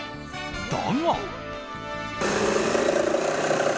だが。